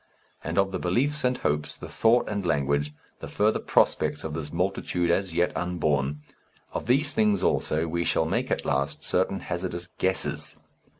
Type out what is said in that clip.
And of the beliefs and hopes, the thought and language, the further prospects of this multitude as yet unborn of these things also we shall make at last certain hazardous guesses.